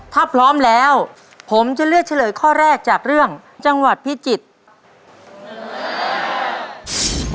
ถ้าพร้อมแล้วผมจะเลือกเฉลยข้อแรกจากเรื่องจังหวัดพิจิตร